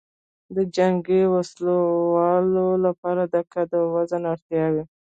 د جنګي وسلو لواو لپاره د قد او وزن اړتیاوې